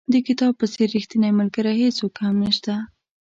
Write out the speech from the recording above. د کتاب په څېر ریښتینی ملګری هېڅوک هم نشته.